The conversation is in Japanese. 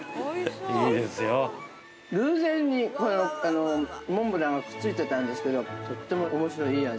偶然にモンブランがくっついてたんですけどとってもおもしろい、いい味。